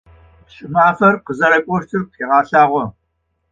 Кӏымафэр къызэрэкӏощтыр къэгъэлъагъо.